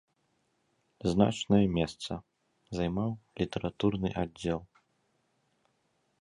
Значнае месца займаў літаратурны аддзел.